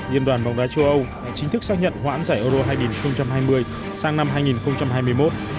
liên đoàn bóng đá châu âu đã chính thức xác nhận hoãn giải euro hai nghìn hai mươi sang năm hai nghìn hai mươi một